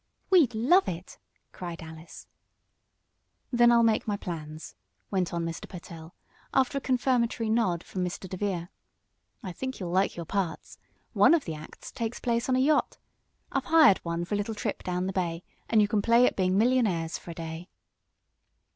"We'd love it!" cried Alice. "Then I'll make my plans," went on Mr. Pertell, after a confirmatory nod from Mr. DeVere. "I think you'll like your parts. One of the acts takes place on a yacht. I've hired one for a little trip down the bay, and you can play at being millionaires for a day."